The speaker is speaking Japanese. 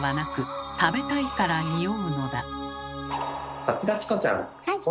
さすがチコちゃん！